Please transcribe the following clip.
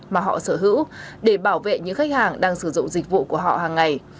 mà họ sở hữu để bảo vệ những khách hàng đang sử dụng dịch vụ của họ hàng ngày